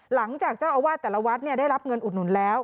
หลังจากเจ้าอาวาสแต่ละวัดได้รับเงินอุดหนุนแล้ว